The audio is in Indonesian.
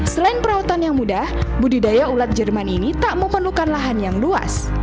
selain perawatan yang mudah budidaya ulat jerman ini tak memerlukan lahan yang luas